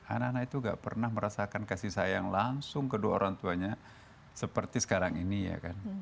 anak anak itu gak pernah merasakan kasih sayang langsung kedua orang tuanya seperti sekarang ini ya kan